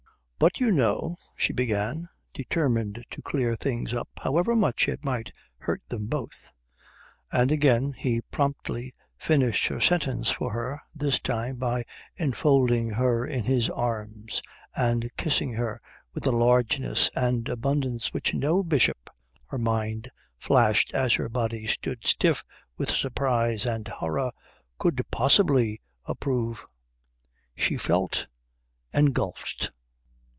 "But you know " she began, determined to clear things up, however much it might hurt them both. And again he promptly finished her sentence for her, this time by enfolding her in his arms and kissing her with a largeness and abundance which no bishop, her mind flashed as her body stood stiff with surprise and horror, could possibly approve. She felt engulfed.